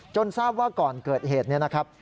ทราบว่าก่อนเกิดเหตุนี้นะครับ